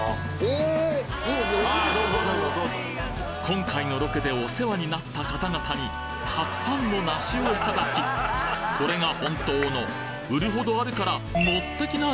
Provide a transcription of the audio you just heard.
今回のロケでお世話になった方々にたくさんの梨を頂きこれが本当の「売るほどあるから持ってきな」